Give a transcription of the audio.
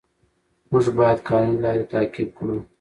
موږ باید قانوني لارې تعقیب کړو